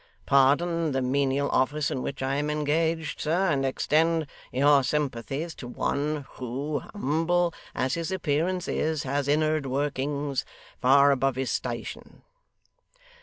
Pardon the menial office in which I am engaged, sir, and extend your sympathies to one, who, humble as his appearance is, has inn'ard workings far above his station.